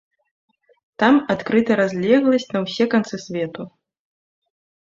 Там адкрыта разлегласць на ўсе канцы свету.